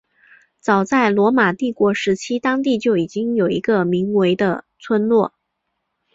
早在罗马帝国时期当地就已经有一个名为的村落。